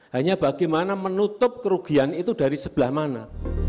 hanya bagaimana menutup kerugian itu dari sebelah mana